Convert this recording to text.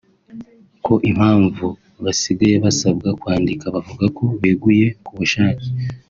ko impamvu basigaye basabwa kwandika bavuga ko beguye ku bushake